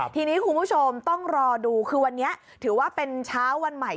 ทีนี้คุณผู้ชมต้องรอดูคือวันนี้ถือว่าเป็นเช้าวันใหม่